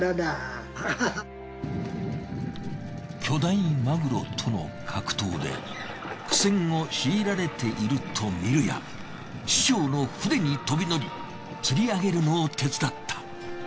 巨大マグロとの格闘で苦戦を強いられていると見るや師匠の船に飛び乗り釣り上げるのを手伝った。